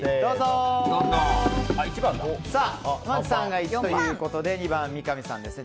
濱口さんが１番ということで２番、三上さんですね。